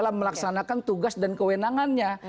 menekan tugas dan kewenangannya